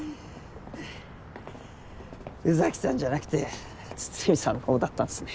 宇崎さんじゃなくて筒見さんの方だったんすね。